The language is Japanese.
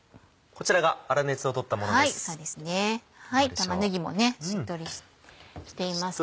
玉ねぎもしっとりしていますね。